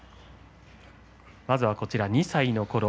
まずは２歳のころ。